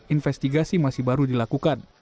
investigasi masih baru dilakukan